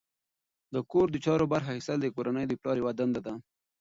د کور د چارو برخه اخیستل د کورنۍ د پلار یوه دنده ده.